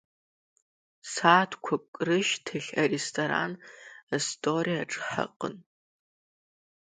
Сааҭқәак рышьҭахь аресторан Асториаҿ ҳаҟан.